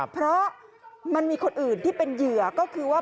เพราะมันมีคนอื่นที่เป็นเหยื่อก็คือว่า